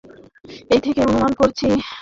এই থেকেই অনুমান করছি সমীকরণটির সমাধান আপনি করেছেন।